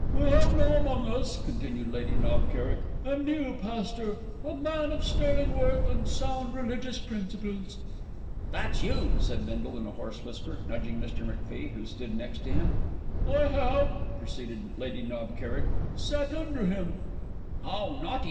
"We have now among us," continued Lady Knob Kerrick, "a new pastor, a man of sterling worth and sound religious principles. ("That's you!" said Bindle in a hoarse whisper, nudging Mr. MacFie who stood next to him.) I have," proceeded Lady Knob Kerrick, "sat under him ("Oh, naughty!